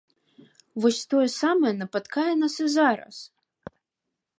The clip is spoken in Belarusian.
Вось тое самае напаткае нас і зараз.